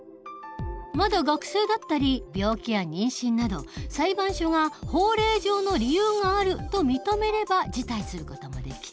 まだ学生だったり病気や妊娠など裁判所が法令上の理由があると認めれば辞退する事もできる。